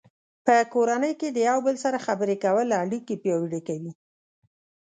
په کورنۍ کې د یو بل سره خبرې کول اړیکې پیاوړې کوي.